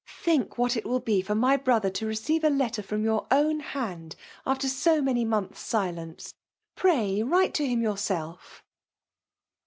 Think what it will be for my bro ther to receive a letter from your own hand, after so many months* silence. Pray write to him yourself